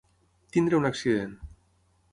Tenir un accident.